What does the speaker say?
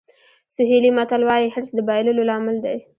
سوهیلي متل وایي حرص د بایللو لامل دی.